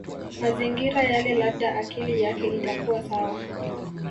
Mazingira yale labda akili yake itakuwa sawa